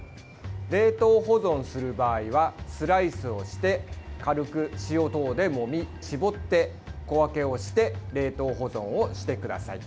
冷凍保存する場合はスライスをして軽く塩等でもみ絞って、小分けをして冷凍保存をしてください。